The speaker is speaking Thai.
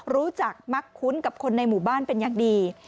รู้จักมักคุ้นกับคนในหมู่บ้านเป็นอย่างดี